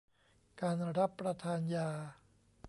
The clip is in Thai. การรับประทานยา